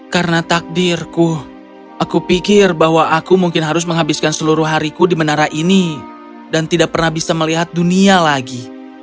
karena takdirku aku pikir bahwa aku mungkin harus menghabiskan seluruh hariku di menara ini dan tidak pernah bisa melihat dunia lagi